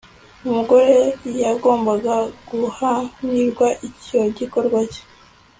mugore yagombaga guhanirwa icyo gikorwa cye